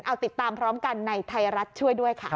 เอาติดตามพร้อมกันในไทยรัฐช่วยด้วยค่ะ